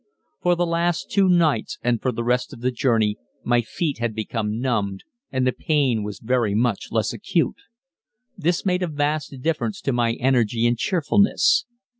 For the last two nights and for the rest of the journey my feet had become numbed, and the pain was very much less acute. This made a vast difference to my energy and cheerfulness.